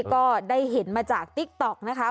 ก็ได้เห็นมาจากติ๊กต๊อกนะคะ